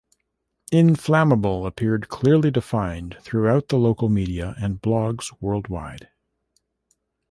"Inflamable" appeared clearly defined throughout the local media and blogs worldwide.